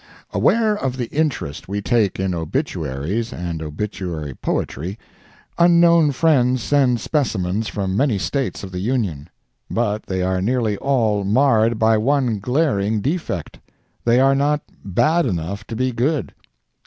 Aware of the interest we take in obituaries and obituary poetry, unknown friends send specimens from many States of the Union. But they are nearly all marred by one glaring defect—they are not bad enough to be good.